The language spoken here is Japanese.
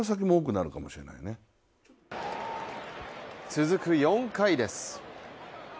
続く４回です。